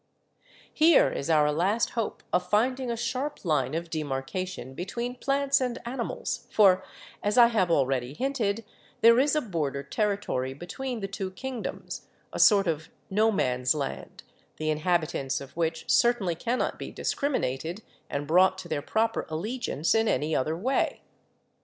"Here is our last hope of rinding a sharp line of demar cation between plants and animals, for, as I have already hinted, there is a border territory between the two king doms, a sort of no man's land, the inhabitants of which certainly cannot be discriminated and brought to their proper allegiance in any other way.